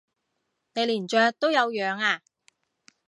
你連雀都有養啊？